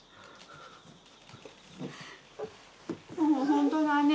本当だね。